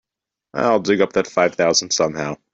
I'll dig up that five thousand somehow.